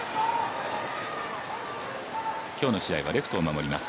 今日の試合はレフトを守ります。